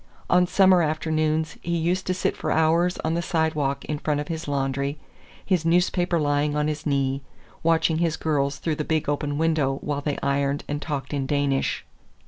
On summer afternoons he used to sit for hours on the sidewalk in front of his laundry, his newspaper lying on his knee, watching his girls through the big open window while they ironed and talked in Danish.